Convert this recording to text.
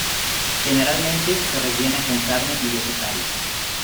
Generalmente se rellena con carne y vegetales.